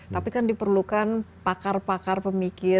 tapi kan diperlukan pakar rakyat